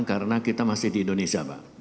karena kita masih di indonesia pak